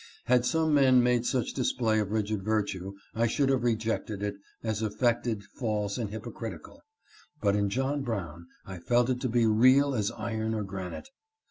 Had some men made such display of rigid virtue, I should have rejected it, as affected, false, and hypocritical, but in John Brown, I felt it to be real as iron or granite.